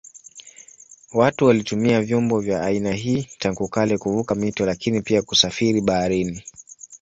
Watu walitumia vyombo vya aina hii tangu kale kuvuka mito lakini pia kusafiri baharini.